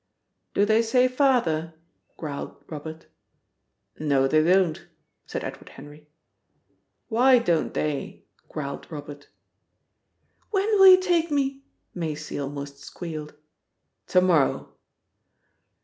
"Do they say 'Father?'" growled Robert. "No, they don't," said Edward Henry. "Why don't they?" growled Robert. "When will you take me?" Maisie almost squealed. "To morrow."